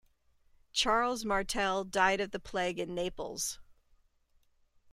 Charles Martel died of the plague in Naples.